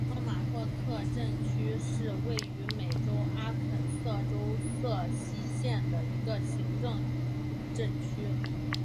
托马霍克镇区是位于美国阿肯色州瑟西县的一个行政镇区。